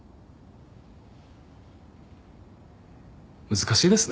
難しいですね。